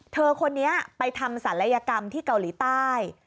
เธอคนนี้ไปทำศัลยกรรมที่เกาหลีใต้